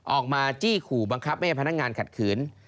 ออกมาจี้ขู่บังคับให้พนักงานขัดขืน